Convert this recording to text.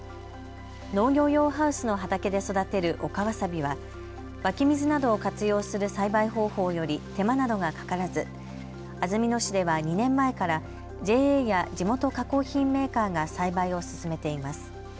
農業用ハウスの畑で育てる陸わさびは、湧き水などを活用する栽培方法より手間などがかからず安曇野市では２年前からＪＡや地元加工品メーカーが栽培を進めています。